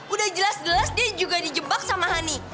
udah jelas jelas dia juga dijebak sama hani